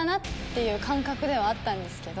いう感覚ではあったんですけど。